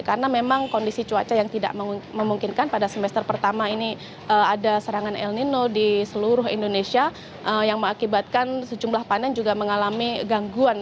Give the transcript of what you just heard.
karena memang kondisi cuaca yang tidak memungkinkan pada semester pertama ini ada serangan el nino di seluruh indonesia yang mengakibatkan sejumlah panen juga mengalami gangguan